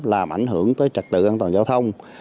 làm ảnh hưởng tới trật tự an toàn giao thông